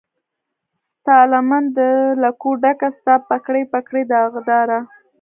ستالمن د لکو ډکه، ستا پګړۍ، پګړۍ داغداره